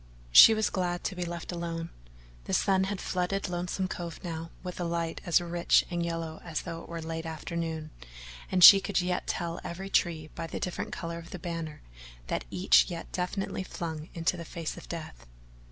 She was glad to be left alone. The sun had flooded Lonesome Cove now with a light as rich and yellow as though it were late afternoon, and she could yet tell every tree by the different colour of the banner that each yet defiantly flung into the face of death.